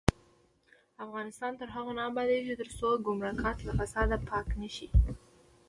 افغانستان تر هغو نه ابادیږي، ترڅو ګمرکات له فساده پاک نشي.